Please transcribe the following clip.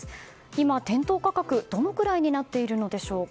今、店頭価格どのぐらいになっているのでしょうか。